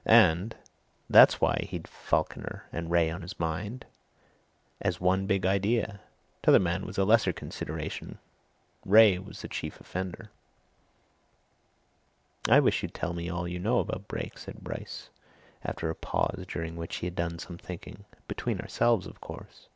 And that's why he'd Falkiner Wraye on his mind as his one big idea. T'other man was a lesser consideration, Wraye was the chief offender." "I wish you'd tell me all you know about Brake," said Bryce after a pause during which he had done some thinking. "Between ourselves, of course."